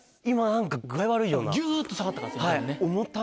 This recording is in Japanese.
ギュと下がった感じしますよね。